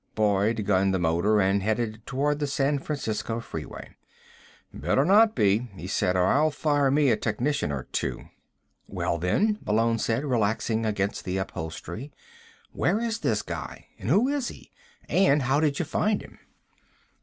Boyd gunned the motor and headed toward the San Francisco Freeway. "Better not be," he said, "or I'll fire me a technician or two." "Well, then," Malone said, relaxing against the upholstery, "where is this guy, and who is he? And how did you find him?"